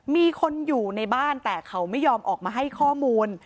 มีคนอยู่ในบ้านแต่เขาไม่ยอมออกมาให้ข้อมูล